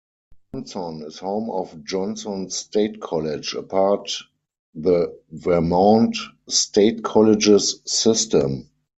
Johnson is home of Johnson State College, a part the Vermont State Colleges system.